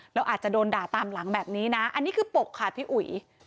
แล้วอาจจะโดนด่าตามหลังแบบนี้นะอันนี้คือปกค่ะพี่อุ๋ย